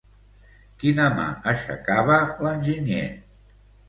Quina mà aixecava l'enginyer?